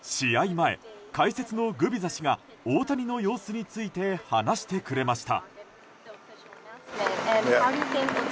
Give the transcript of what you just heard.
前、解説のグビザ氏が大谷の様子について話してくれました。